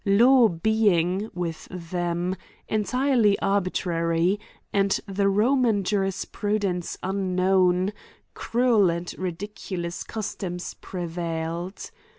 Law being, with them, entirely arbitrary, and the Roman Jurisprudence unknown, cruel and ridiculous customs prevailed.